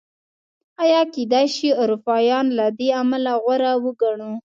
ایا کېدای شي اروپایان له دې امله غوره وګڼو؟